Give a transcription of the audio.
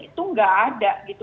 itu gak ada gitu